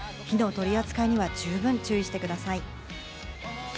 火の取り扱いには十分注意してください。